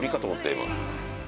今。